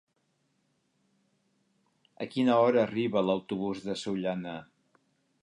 A quina hora arriba l'autobús de Sollana?